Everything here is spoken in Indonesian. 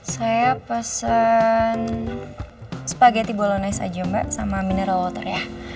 saya pesen spaghetti bolognese aja mbak sama mineral water ya